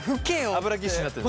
油ギッシュになってんの。